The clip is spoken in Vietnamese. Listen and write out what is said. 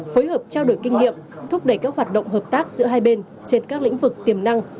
phối hợp trao đổi kinh nghiệm thúc đẩy các hoạt động hợp tác giữa hai bên trên các lĩnh vực tiềm năng